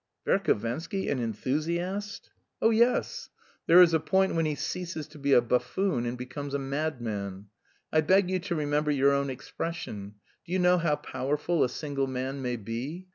"Verhovensky an enthusiast?" "Oh, yes. There is a point when he ceases to be a buffoon and becomes a madman. I beg you to remember your own expression: 'Do you know how powerful a single man may be?'